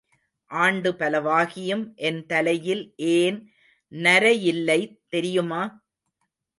ஆண்டு பலவாகியும் என் தலையில் ஏன் நரையில்லை தெரியுமா?